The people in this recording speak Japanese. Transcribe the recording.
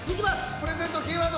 ◆プレゼントキーワード